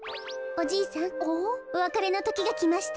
おわかれのときがきました。